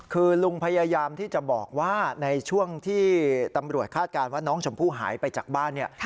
คือลุงพยายามที่จะบอกว่าในช่วงที่ตำรวจคาดการณ์ว่าน้องชมพู่หายไปจากบ้านเนี่ย